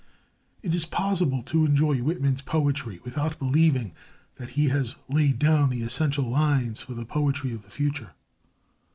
It is possible to enjoy Whitman's poetry without believing that he has laid down the essential lines for the poetry of the future.